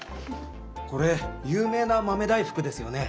これ有名な豆大福ですよね？